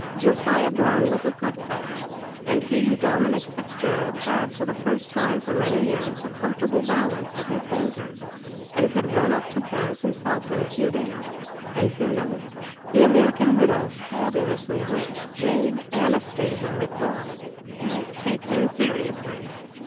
Josiah Brown was a good fellow, and he, Dominic Fitzgerald, had for the first time for many years a comfortable balance at his bankers, and could run up to Paris himself in a few days, and who knows, the American widow, fabulously rich Jane Anastasia McBride might take him seriously!